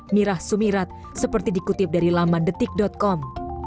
mirah sumirat seperti dikutip dari laman detik com